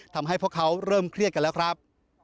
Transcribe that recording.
ทำให้พวกเขาเริ่มเครียดกันแล้วครับ